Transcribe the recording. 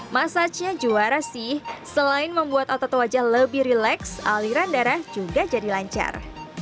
massagenya juara sih selain membuat otot wajah lebih relax aliran darah juga jadi lancar